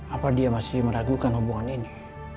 apa dia masih meragukan hubungan ini